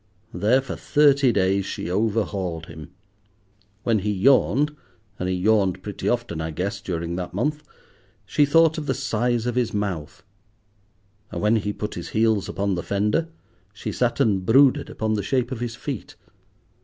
There for thirty days she overhauled him. When he yawned—and he yawned pretty often, I guess, during that month—she thought of the size of his mouth, and when he put his heels upon the fender she sat and brooded upon the shape of his feet.